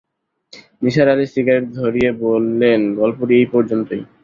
Nisar Ali cigarette ধরিয়ে বললেন, গল্পটি এই পর্যন্তই।